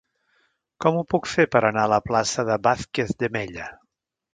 Com ho puc fer per anar a la plaça de Vázquez de Mella?